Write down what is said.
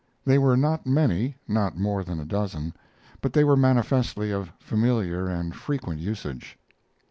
They were not many not more than a dozen but they were manifestly of familiar and frequent usage.